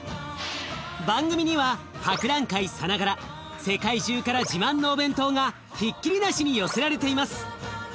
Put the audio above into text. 番組には博覧会さながら世界中から自慢のお弁当がひっきりなしに寄せられています。